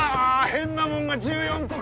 変なもんが１４個か！